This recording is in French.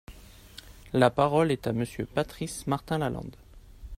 La parole est à Monsieur Patrice Martin-Lalande.